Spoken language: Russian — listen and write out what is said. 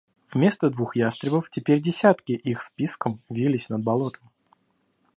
Вместо двух ястребов теперь десятки их с писком вились над болотом.